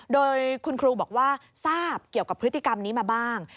โดยคุณครูบอกว่าทราบเกี่ยวกับพฤติกรรมนี้มาบ้าง